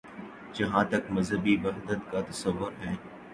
جہاں تک مذہبی وحدت کا تصور ہے۔